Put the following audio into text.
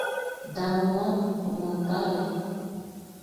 — Да молан, умылтаре!